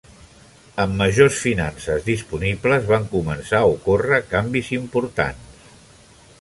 Amb majors finances disponibles, van començar a ocórrer canvis importants.